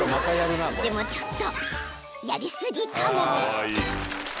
［でもちょっとやり過ぎかも］